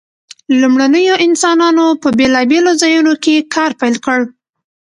لومړنیو انسانانو په بیلابیلو ځایونو کې کار پیل کړ.